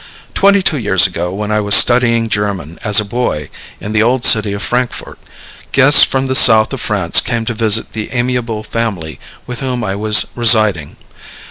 Twenty two years ago, when I was studying German as a boy in the old city of Frankfort, guests from the South of France came to visit the amiable family with whom I was residing.